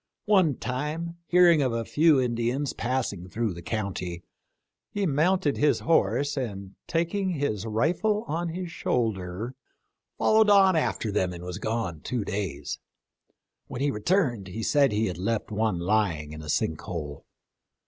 One time, hearing of a few Indians passing through the county, he mounted his horse, and taking his rifle on his shoulder, followed on after them and was gone two days. When he returned he said he left one lying in a sink hole.